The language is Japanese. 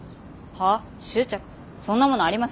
そんなものありません。